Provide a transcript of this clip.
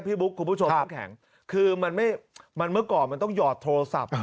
พี่บุ๊คคุณผู้ชมต้องแข็งคือเมื่อก่อนมันต้องหยอดโทรศัพท์